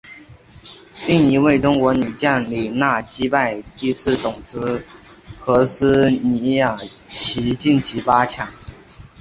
另一位中国女将李娜击败第四种籽禾丝妮雅琪晋级八强。